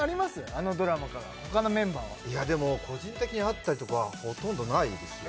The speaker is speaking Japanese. あのドラマから他のメンバーはいやでも個人的に会ったりとかほとんどないですよ